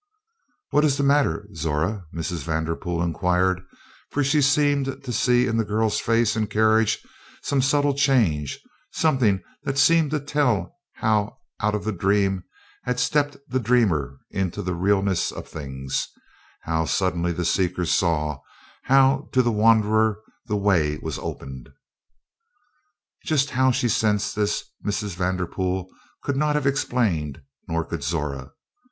"What is the matter, Zora?" Mrs. Vanderpool inquired, for she seemed to see in the girl's face and carriage some subtle change; something that seemed to tell how out of the dream had stepped the dreamer into the realness of things; how suddenly the seeker saw; how to the wanderer, the Way was opened. Just how she sensed this Mrs. Vanderpool could not have explained, nor could Zora.